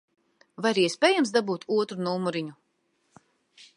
Vai ir iespējams dabūt otru numuriņu?